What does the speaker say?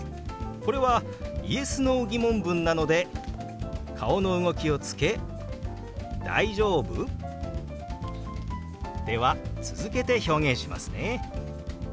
これはＹｅｓ／Ｎｏー疑問文なので顔の動きをつけ「大丈夫？」。では続けて表現しますね。